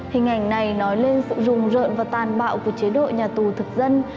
hình ảnh này nói lên sự rùng rợn và tàn bạo của chế độ nhà tù thực dân